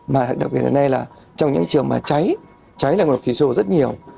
mà đặc biệt ở đây là trong những trường hợp mà cháy cháy là nguồn độc khí co rất nhiều